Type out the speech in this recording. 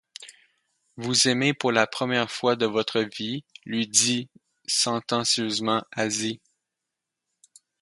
Vous aimez pour la première fois de votre vie... lui dit sentencieusement Asie.